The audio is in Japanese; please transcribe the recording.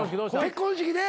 結婚式で？